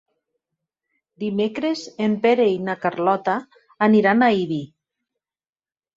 Dimecres en Pere i na Carlota aniran a Ibi.